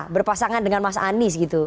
berpasangan dengan mas anies gitu